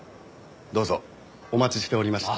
どうぞお待ちしておりました。